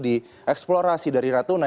di eksplorasi dari natuna